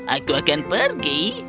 aku akan pergi